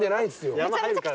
山入るから。